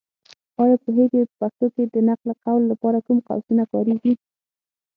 ایا پوهېږې؟ په پښتو کې د نقل قول لپاره کوم قوسونه کارېږي.